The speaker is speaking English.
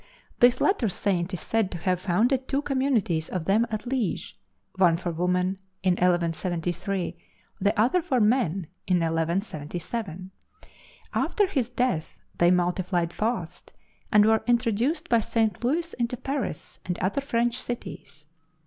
This latter saint is said to have founded two Communities of them at Liege, one for women, in 1173, the other for men, in 1177. After his death they multiplied fast, and were introduced by St. Louis into Paris and other French cities.